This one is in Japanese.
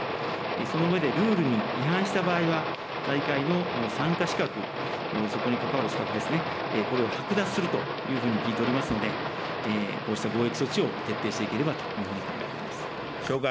その上でルールに違反した場合は大会の参加資格、そこに関わる資格ですね、これを剥奪するというふうに聞いておりますので、こうした防疫措置を徹底していければというふうに考えております。